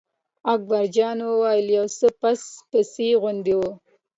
اکبر جان وویل: یو څه پس پسي غوندې و.